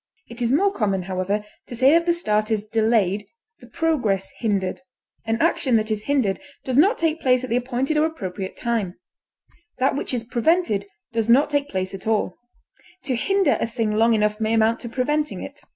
It is more common, however, to say that the start is delayed, the progress hindered. An action that is hindered does not take place at the appointed or appropriate time; that which is prevented does not take place at all; to hinder a thing long enough may amount to preventing it.